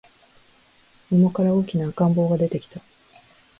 桃から大きな赤ん坊が出てきた